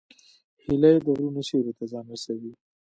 هیلۍ د غرونو سیوري ته ځان رسوي